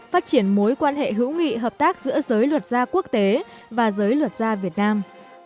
phát triển mối quan hệ hữu nghị hợp tác giữa giới luật gia quốc tế và giới luật gia việt nam